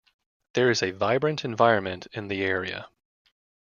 There is a vibrant environment in the area.